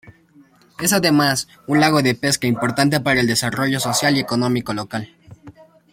Es además un lago de pesca importante para el desarrollo social y económico local.